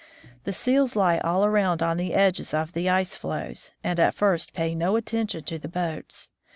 The seals lie all around on the edges of the ice floes, and at first pay no attention to the boats.